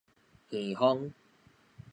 耳風